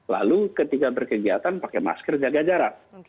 lalu ketika berkegiatan pakai masker jaga jarak